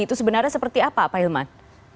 itu sebenarnya seperti apa pak hilman